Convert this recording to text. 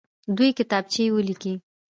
دوې کتابچې ولیکئ.